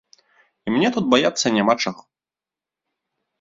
І мне тут баяцца няма чаго.